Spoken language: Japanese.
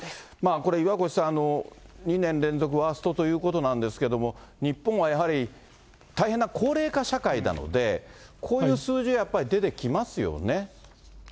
これ岩越さん、２年連続ワーストということなんですけれども、日本はやはり、大変な高齢化社会なので、こういう数字がやっぱり出てきますよね。